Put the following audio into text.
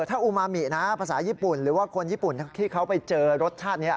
ถ้าอุมามินะภาษาญี่ปุ่นหรือว่าคนญี่ปุ่นที่เขาไปเจอรสชาตินี้